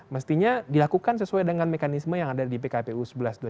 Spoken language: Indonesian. mestinya dilakukan sesuai dengan mekanisme yang ada di pkpu sebelas dua ribu tujuh belas